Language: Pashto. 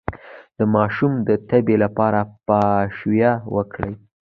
د ماشوم د تبې لپاره پاشویه وکړئ